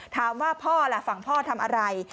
ถามว่าพ่อล่ะฝั่งพ่อทำอะไร